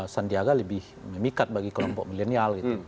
sandiaga lebih memikat bagi kelompok milenial gitu